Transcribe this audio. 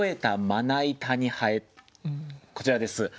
こちらです。